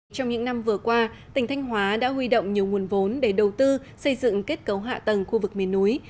trong những năm vừa qua tỉnh thanh hóa đã huy động nhiều nguồn vốn để đầu tư xây dựng kết cấu hạ tầng khu vực miền núi